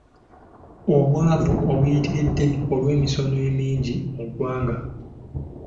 Obwavu obuyitiridde olw’emisolo emingi mu ggwanga.